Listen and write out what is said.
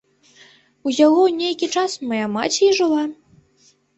У яго нейкі час мая маці і жыла.